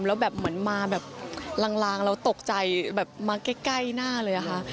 แล้วแบบเหมือนมาแบบลางแล้วตกใจแบบมาใกล้หน้าเลยอะค่ะ